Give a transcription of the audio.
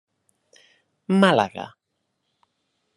Màlaga: